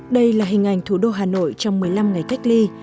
đây là hình ảnh thủ đô hà nội trong một mươi năm ngày cách ly